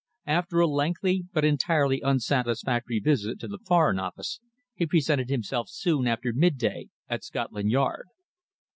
After a lengthy but entirely unsatisfactory visit to the Foreign Office, he presented himself soon after midday at Scotland Yard.